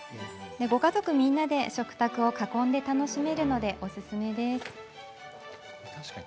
ご家族みんなで食卓を囲んで楽しめるので、おすすめです。